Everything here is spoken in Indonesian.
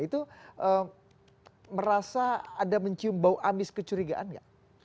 itu merasa ada mencium bau amis kecurigaan nggak